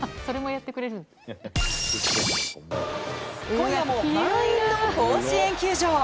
今夜も満員の甲子園球場。